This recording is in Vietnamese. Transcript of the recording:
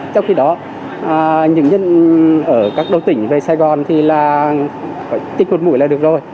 trong khi đó những nhân ở các đô tỉnh về sài gòn thì tích một mũi là được rồi